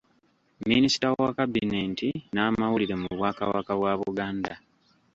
Minisita wa Kabineeti n’amawulire mu bwakabaka bwa Buganda.